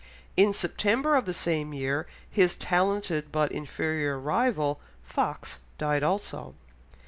In September of the same year his talented but inferior rival, Fox, died also.